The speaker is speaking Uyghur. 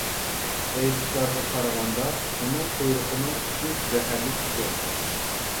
ئېيتىشلارغا قارىغاندا ئۇنىڭ قۇيرۇقىنىڭ ئۇچى زەھەرلىك ئىكەن.